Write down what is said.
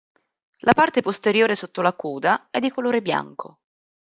La parte posteriore sotto la coda è di colore bianco.